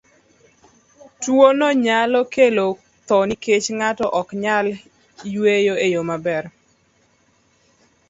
Tuwono nyalo kelo tho nikech ng'ato ok nyal yweyo e yo maber.